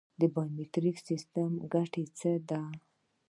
د بایومتریک سیستم ګټه څه ده؟